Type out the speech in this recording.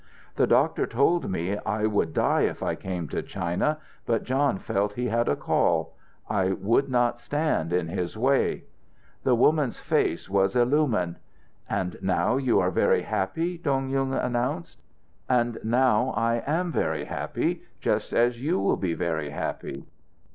"The doctor told me I would die if I came to China, but John felt he had a call. I would not stand in his way." The woman's face was illumined. "And now you are very happy?" Dong Yung announced. "And now I am very happy; just as you will be very happy."